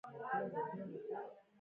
د تخار په کلفګان کې د مالګې نښې شته.